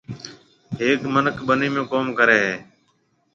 هيََڪ مِنک ٻنِي ۾ ڪوم ڪري هيَ۔